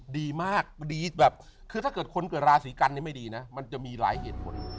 ดีมากดีแบบคือถ้าเกิดคนเกิดราศีกันเนี่ยไม่ดีนะมันจะมีหลายเหตุผล